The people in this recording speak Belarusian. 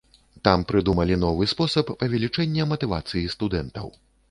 Там прыдумалі новы спосаб павелічэння матывацыі студэнтаў.